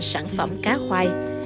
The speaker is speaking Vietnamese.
sản phẩm cá khoai